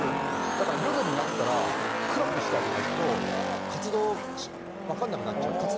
だから夜になったら暗くしてあげないと活動わかんなくなっちゃう。